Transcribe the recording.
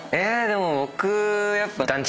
でも僕やっぱ。